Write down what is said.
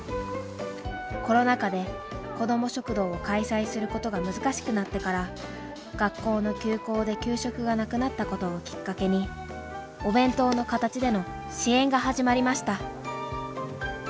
コロナ禍で子ども食堂を開催することが難しくなってから学校の休校で給食がなくなったことをきっかけにお弁当の形での支援が始まりました。